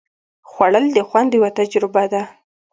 خوړل د خوند یوه تجربه ده